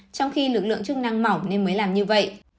trong khi lực lượng chức năng mỏng nên mới làm như vậy